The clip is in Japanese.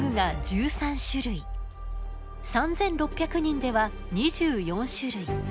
３，６００人では２４種類。